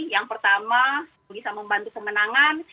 yang pertama bisa membantu kemenangan